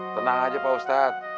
tenang aja pak ustaz